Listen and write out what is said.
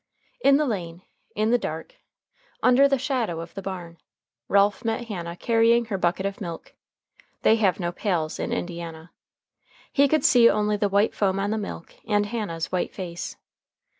In the lane, in the dark, under the shadow of the barn, Ralph met Hannah carrying her bucket of milk (they have no pails in Indiana). He could see only the white foam on the milk, and Hannah's white face.